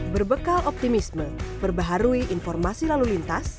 berbekal optimisme perbaharui informasi lalu lintas